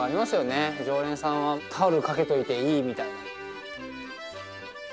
常連さんはタオルかけといていいみたいな。